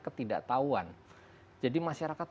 ketidaktahuan jadi masyarakat